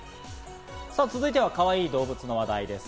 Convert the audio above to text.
さぁ続いては、かわいい動物の話題です。